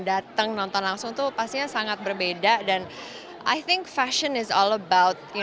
datang nonton langsung tuh pastinya sangat berbeda dan i think fashion is all about